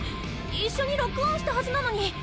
一緒にロックオンしたはずなのに。